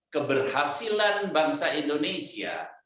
keberhasilan bangsa indonesia